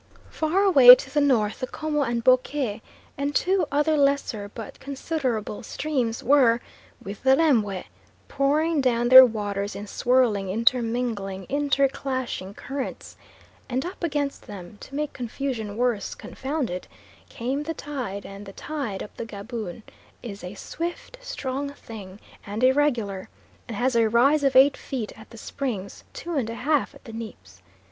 For away to the north the 'Como and Boque and two other lesser, but considerable streams, were, with the Rembwe, pouring down their waters in swirling, intermingling, interclashing currents; and up against them, to make confusion worse confounded, came the tide, and the tide up the Gaboon is a swift strong thing, and irregular, and has a rise of eight feet at the springs, two and a half at the neaps.